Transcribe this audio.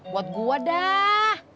buat gue dah